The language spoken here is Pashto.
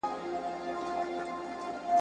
د نظر اختلاف تاوان نه لري.